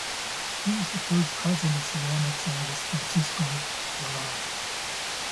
He was the cousin of ceramics artist Francisco Brennand.